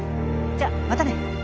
じゃまたね。